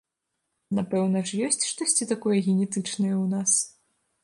Напэўна ж ёсць штосьці такое генетычнае ў нас?